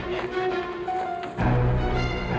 terima kasih ya